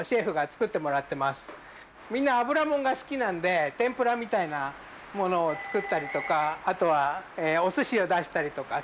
みんな油もんが好きなんで天ぷらみたいなものを作ったりとかあとはお寿司を出したりとか。